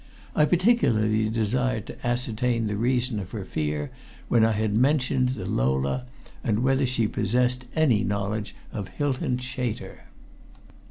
I particularly desired to ascertain the reason of her fear when I had mentioned the Lola, and whether she possessed any knowledge of Hylton Chater.